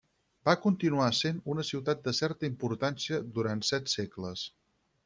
Va continuar essent una ciutat de certa importància durant set segles.